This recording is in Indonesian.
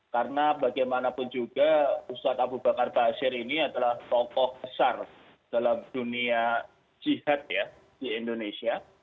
karena bagaimanapun juga ustadz abu bakar basir ini adalah tokoh besar dalam dunia jihad di indonesia